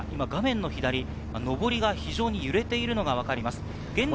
のぼりが非常に揺れているのがわかります。